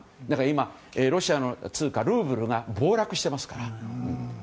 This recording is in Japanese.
だから今ロシアの通貨ルーブルが暴落していますから。